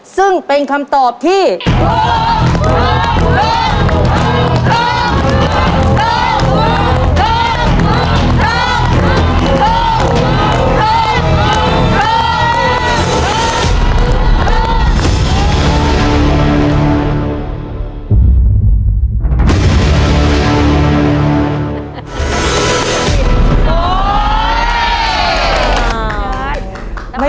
ซึ่งเป็นคำตอบที่ถูก